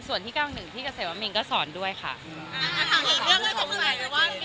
ส่วนที่เก้าหนึ่งหนึ่งที่เกษตรวมิ้งก็สอนด้วยค่ะอ่าถามถึงเรื่องไม่สงสัยเลยว่า